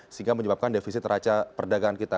sehingga menyebabkan defisit raca perdagangan kita